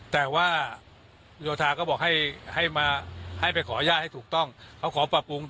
แต่ว่าโยธาก็บอกให้ให้มาให้ไปขออนุญาตให้ถูกต้องเขาขอปรับปรุง